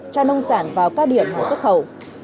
cho nông sản vào cao điểm của xuất khẩu